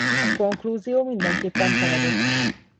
A konklúzió mindenképpen paradox.